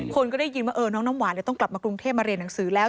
คนก็ได้ยินว่าน้องน้ำหวานต้องกลับมากรุงเทพมาเรียนหนังสือแล้ว